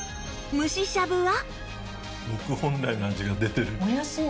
蒸ししゃぶは？